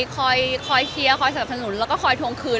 คอยแชร์คอยสนุนคอยตวงคืน